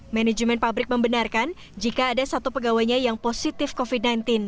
manajemen pabrik membenarkan jika ada satu pegawainya yang positif covid sembilan belas